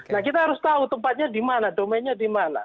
nah kita harus tahu tempatnya di mana domennya di mana